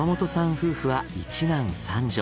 夫婦は一男三女。